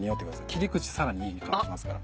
切り口さらにいい香りしますから。